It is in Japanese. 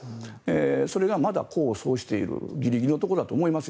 それがまだ功を奏しているギリギリのところだと思いますよ